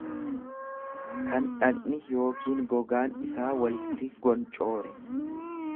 kan dhaqni yookiin gogaan isaa walitti goncoore.